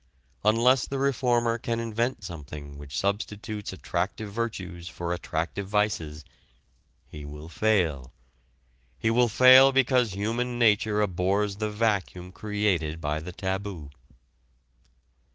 Unless the reformer can invent something which substitutes attractive virtues for attractive vices, he will fail. He will fail because human nature abhors the vacuum created by the taboo.